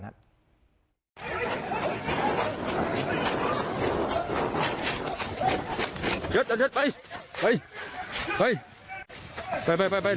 คุณผู้ชมสนามไก่เลยนะฮะคุณผู้ชม